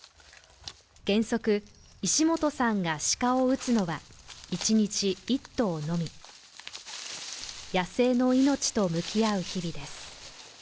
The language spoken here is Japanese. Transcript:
原則石本さんが鹿を撃つのは１日１頭のみ野生の命と向き合う日々です